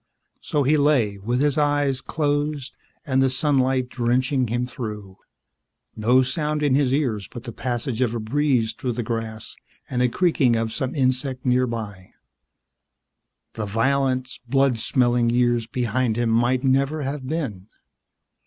So he lay, with his eyes closed and the sunlight drenching him through, no sound in his ears but the passage of a breeze through the grass and a creaking of some insect nearby the violent, blood smelling years behind him might never have been.